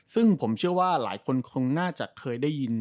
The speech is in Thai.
ซึ่งผมเชื่อว่าหลายคนคงน่าจะเคยได้ยิน